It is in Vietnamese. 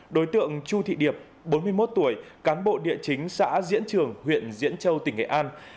đối tượng chu thị điệp bốn mươi một tuổi cán bộ địa chính xã diễn trường huyện diễn châu tỉnh nghệ an